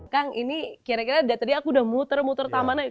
kang ini kira kira dari tadi aku udah muter muter tamannya